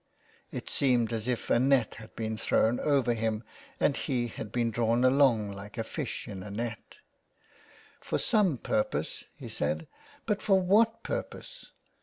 " It seemed as if a net had been thrown over him and he had been 385 2B THE WILD GOOSE. drawn along like a fish in a net. " For some pur pose," he said. *' But for what purpose